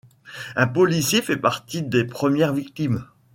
Un policier fait partie des premières victimes.